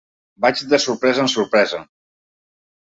Vaig de sorpresa en sorpresa.